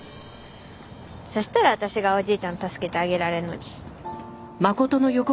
そしたら私がおじいちゃん助けてあげられるのに。